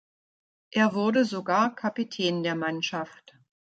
Er wurde sogar Kapitän der Mannschaft.